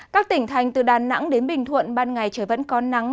các tỉnh thành từ đà nẵng đến bình thuận ban ngày trời vẫn có nắng